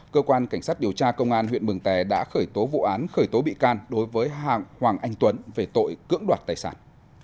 cơ quan cảnh sát điều tra công an huyện mường tè đã khởi tố vụ án khởi tố bị can đối với hàng hoàng anh tuấn về tội cưỡng đoạt tài sản